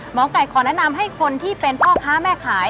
หมอไก่ขอแนะนำให้คนที่เป็นพ่อค้าแม่ขาย